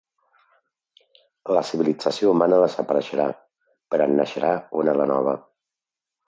La civilització humana desapareixerà, però en naixerà una de nova.